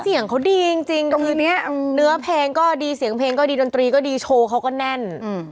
เสียงเขาดีจริงคืนนี้เนื้อเพลงก็ดีเสียงเพลงก็ดีดนตรีก็ดีโชว์เขาก็แน่น